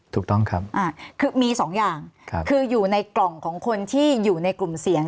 ถูกต้องครับคือมีสองอย่างคืออยู่ในกล่องของคนที่อยู่ในกลุ่มเสี่ยง